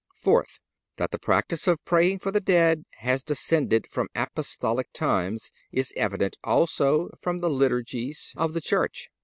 Fourth—That the practice of praying for the dead has descended from Apostolic times is evident also from the Liturgies of the Church.